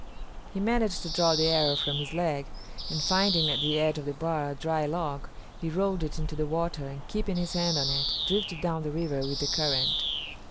He managed to draw the arrow from his leg, and finding at the edge of the bar a dry log, he rolled it into the water, and keeping his hands on it, drifted down the river with the current.